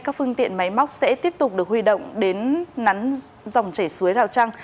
các phương tiện máy móc sẽ tiếp tục được huy động đến nắn dòng chảy suối rào trăng